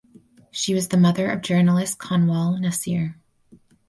She was the mother of journalist Kanwal Naseer.